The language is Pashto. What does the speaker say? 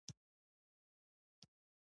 د لويي احساس ورسره نه وي.